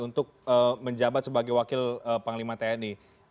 untuk menjabat sebagai wakil panglima tni